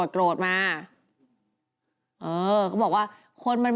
แป๊บหนึ่ง